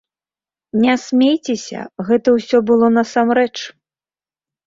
Не смейцеся, гэта ўсё было насамрэч.